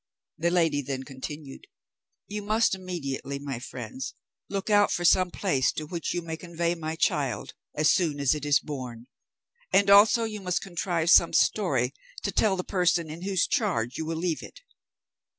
The lady then continued, 'You must immediately, my friends, look out for some place to which you may convey my child as soon as it is born, and also you must contrive some story to tell to the person in whose charge you will leave it.